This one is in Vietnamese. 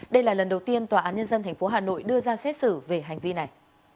đây là lần đầu tiên tòa án nhân dân tp hà nội đưa ra xét xử về hành vi này